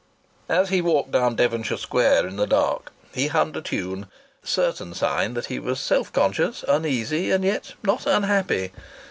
As he walked down Devonshire Square in the dark he hummed a tune; certain sign that he was self conscious, uneasy, and yet not unhappy.